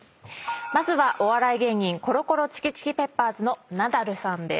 まずはお笑い芸人コロコロチキチキペッパーズのナダルさんです。